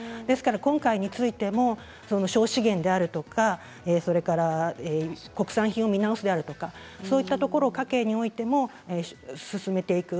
今回についても省資源であるとか国産品を見直すとかそういうところを家計においても進めていく。